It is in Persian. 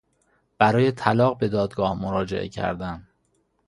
برای طلاق به دادگاه مراجعه کردن